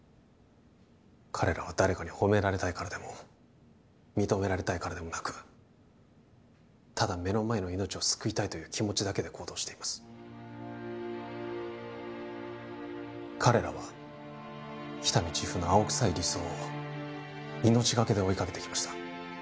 彼らは誰かに褒められたいからでも認められたいからでもなくただ目の前の命を救いたいという気持ちだけで行動しています彼らは喜多見チーフの青臭い理想を命がけで追いかけてきました